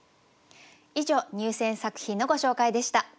以上入選作品のご紹介でした。